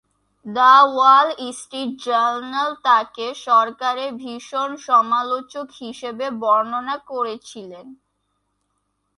The Wall Street Journal তাকে "সরকারের ভীষণ সমালোচক" হিসাবে বর্ণনা করেছিলেন।